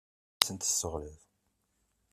Ad tent-tesseɣliḍ.